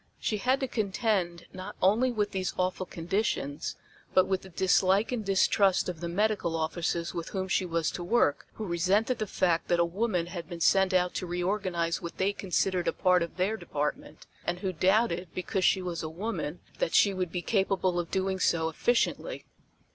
She had to contend not only with these awful conditions, but with the dislike and distrust of the medical officers with whom she was to work, who resented the fact that a woman had been sent out to reorganize what they considered a part of their department, and who doubted, because she was a woman, that she would be capable of doing so efficiently.